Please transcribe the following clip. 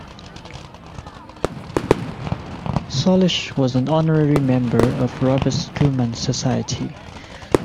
Sawallisch was an honorary member of The Robert Schumann Society.